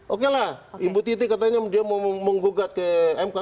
oke lah ibu titi katanya dia mau menggugat ke mk